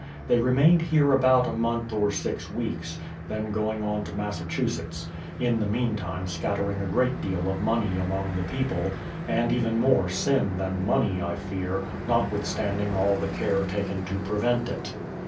They remained here about a month or six weeks, then going on to Massachusetts ; in the meantime scattering a great deal of money among the people, — and even more sin than money, I fear, notwithstanding all the care taken to pre vent it.